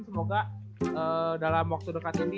semoga dalam waktu dekat ini